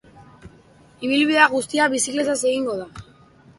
Ibilbide guztia bizikletaz egingo da.